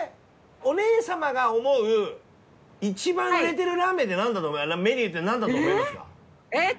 お姉様が思う一番売れてるラーメンってメニューってなんだと思いますか？